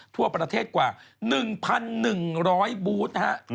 ทั่วประเทศกว่า๑๑๐๐บูธนะฮะ